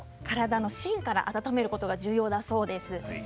体の芯から温めることが重要だそうです。